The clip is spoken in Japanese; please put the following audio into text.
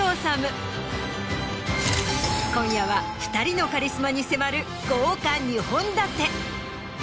今夜は２人のカリスマに迫る豪華２本立て。